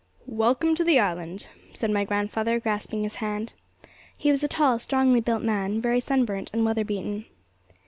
'Welcome to the island,' said my grandfather, grasping his hand. He was a tall, strongly built man, very sun burnt and weather beaten.